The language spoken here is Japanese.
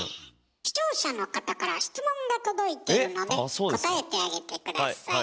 視聴者の方から質問が届いているので答えてあげて下さい。